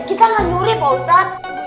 kita gak nyuri pak ustadz